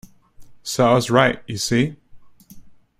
So I was right, you see!